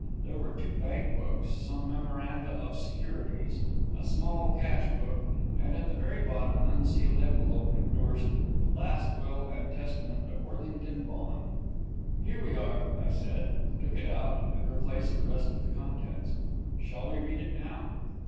There were two bank books, some memoranda of securities, a small cash book, and, at the very bottom, an unsealed envelope endorsed, "Last will and testament of Worthington Vaughan." "Here we are," I said, took it out, and replaced the rest of the contents. "Shall we read it now?"